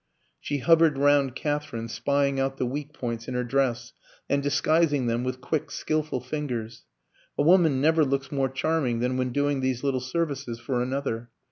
She hovered round Katherine, spying out the weak points in her dress, and disguising them with quick, skillful fingers. A woman never looks more charming than when doing these little services for another.